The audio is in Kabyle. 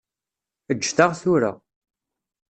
Ǧǧet-aɣ tura.